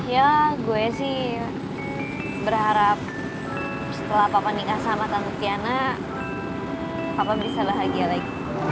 ya gue sih berharap setelah papa nikah sama tante tiana papa bisa bahagia lagi